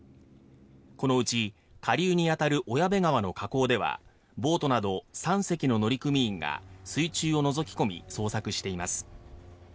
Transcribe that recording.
このうち下流にあたる小矢部川の河口ではボートなど３隻の乗組員が水中をのぞき込み捜索しています。